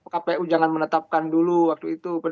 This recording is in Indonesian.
kpu jangan menetapkan dulu waktu itu